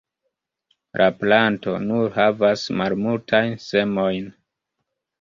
La planto nur havas malmultajn semojn.